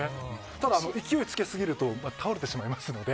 ただ、勢いをつけすぎると倒れてしまいますので。